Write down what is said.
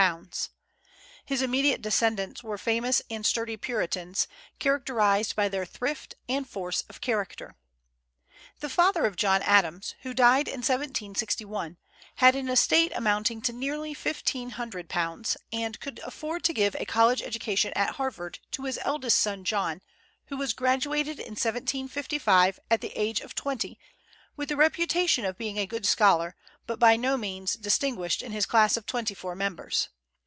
His immediate descendants were famous and sturdy Puritans, characterized by their thrift and force of character. The father of John Adams, who died in 1761, had an estate amounting to nearly £1,500, and could afford to give a college education at Harvard to his eldest son, John, who was graduated in 1755, at the age of twenty, with the reputation of being a good scholar, but by no means distinguished in his class of twenty four members.